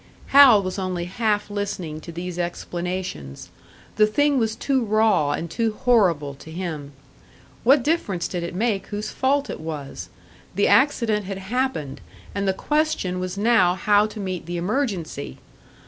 Hal was only half listening to these explanations. The thing was too raw and too horrible to him. What difference did it make whose fault it was? The accident had happened, and the question was now how to meet the emergency!